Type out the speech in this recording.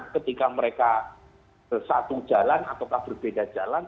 ketika mereka satu jalan ataukah berbeda jalan